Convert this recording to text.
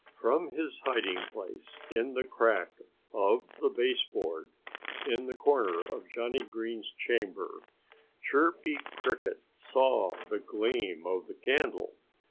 From his hiding place in the crack of the baseboard, in a corner of Johnnie Green's chamber, Chirpy Cricket saw the gleam of the candle.